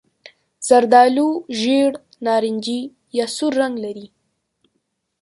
زردالو ژېړ نارنجي یا سور رنګ لري.